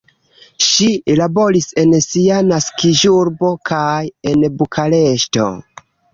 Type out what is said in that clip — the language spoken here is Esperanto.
Ŝi laboris en sia naskiĝurbo kaj en Bukareŝto.